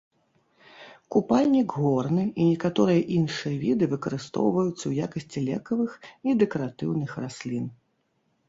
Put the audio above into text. Купальнік горны і некаторыя іншыя віды выкарыстоўваюцца ў якасці лекавых і дэкаратыўных раслін.